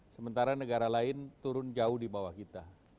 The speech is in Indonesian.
sementara negara lain turun jauh di bawah kita